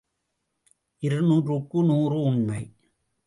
இது நூற்றுக்கு நூறு உண்மை.